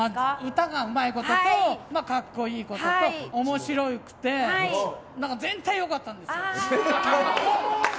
歌がうまいことと格好いいことと面白くて、全体良かったんです！